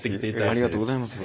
ありがとうございます。